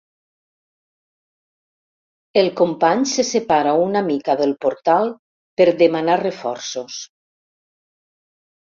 El company se separa una mica del portal per demanar reforços.